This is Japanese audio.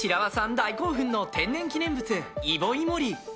大興奮の天然記念物イボイモリ。